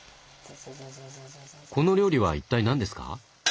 この料理は一体何ですか？